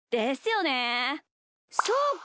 そうか！